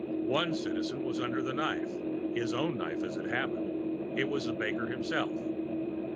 One Citizen was under the knife his own knife, as it happened; it was the baker himself.